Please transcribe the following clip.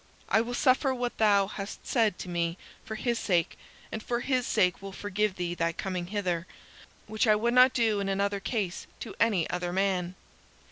I will suffer what thou hast said to me for his sake, and for his sake will forgive thee thy coming hither which I would not do in another case to any other man.